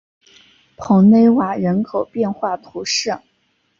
蓬勒瓦人口变化图示